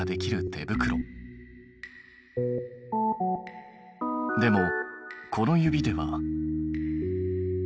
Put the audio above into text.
でもこの指では。